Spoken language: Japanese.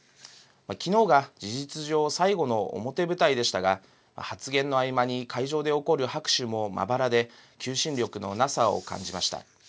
きのうが事実上最後の表舞台でしたが、発言の合間に会場で起こる拍手もまばらで、求心力のなさを感じました。